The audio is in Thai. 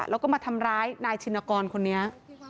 แล้วก็มาทำร้ายนายชินกรคนนี้